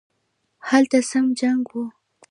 هلته سم جنګ وو